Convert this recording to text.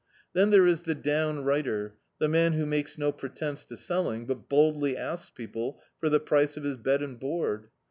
Then there is the "downrighter," the man who makes no pretence to selling, but boldly asks people for the price of his bed and board.